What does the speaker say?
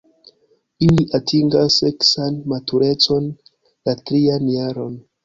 Ili atingas seksan maturecon la trian jaron.